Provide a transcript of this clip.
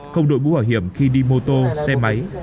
không đội bú hỏa hiểm khi đi mô tô xe máy